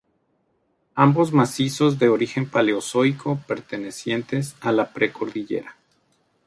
Ambos macizos de origen Paleozoico pertenecientes a la Precordillera.